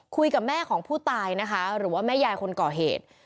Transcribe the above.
คุยกับแม่ของผู้ตายนะคะหรือว่าแม่ยายคนก่อเหตุ